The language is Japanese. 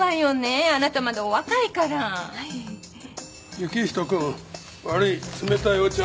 行人くん悪い冷たいお茶。